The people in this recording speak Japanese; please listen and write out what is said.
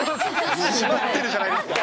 閉まってるじゃないですか。